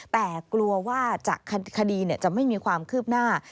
แต่กลัวว่าจากคดีเนี่ยจะไม่มีความคืบหน้า